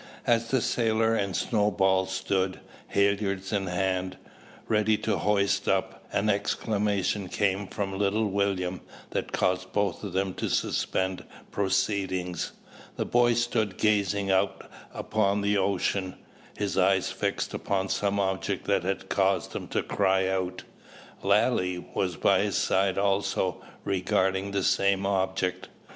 As the sailor and Snowball stood, halliards in hand, ready to hoist up, an exclamation came from little William, that caused both of them to suspend proceedings. The boy stood gazing out upon the ocean, his eyes fixed upon some object that had caused him to cry out. Lalee was by his side also, regarding the same object.